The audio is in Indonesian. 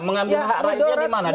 mengambil hak rakyat di mana